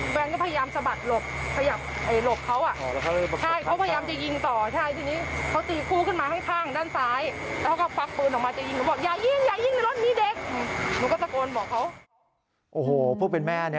แวงก็พยายามสะบัดหลบพยับให้หลบเขา